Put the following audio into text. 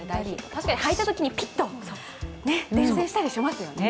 確かに履いたときにピッと伝線したりしますよね。